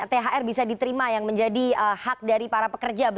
thr bisa diterima yang menjadi hak dari para pekerja